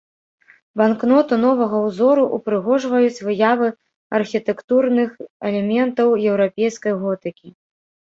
Банкноту новага ўзору ўпрыгожваюць выявы архітэктурных элементаў еўрапейскай готыкі.